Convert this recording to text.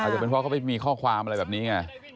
จะเป็นเพราะเขาไปมีข้อความอะไรแบบนี้ไง